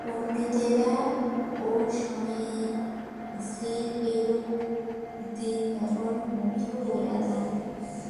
পণ্ডিতেরাও স্বামীজীর এইরূপ দীন ব্যবহারে মুগ্ধ হইয়া যান।